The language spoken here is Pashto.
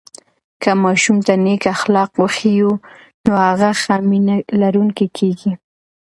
که ماشوم ته نیک اخلاق وښیو، نو هغه ښه مینه لرونکی کېږي.